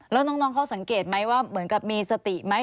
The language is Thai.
แล้วน้องเขาสังเกตไหมว่าเหมือนกับมีสติไหม